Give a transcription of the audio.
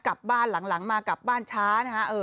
กลับบ้านหลังมากลับบ้านช้านะฮะ